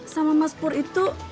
sama mas pur itu